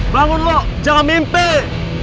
bangun lo jangan mimpi